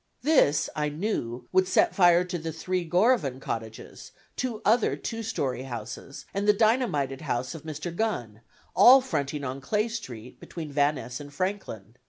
This, I knew, would set fire to the three Gorovan cottages, two other two story houses, and the dynamited house of Mr. Gunn, all fronting on Clay Street, between Van Ness and Franklin.